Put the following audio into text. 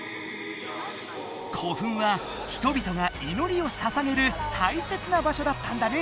古墳は人々がいのりをささげるたいせつなばしょだったんだね。